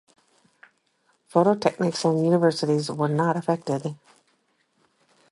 Polytechnics and universities were not affected.